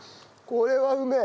これはうめえ！